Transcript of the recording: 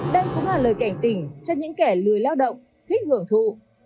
đây cũng là lời cảnh tỉnh cho những kẻ lười lao động thích hưởng thụ